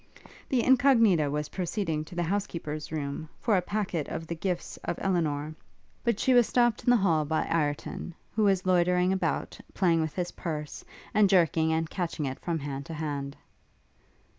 The Incognita was proceeding to the housekeeper's room, for a packet of the gifts of Elinor, but she was stopt in the hall by Ireton, who was loitering about, playing with his purse, and jerking and catching it from hand to hand.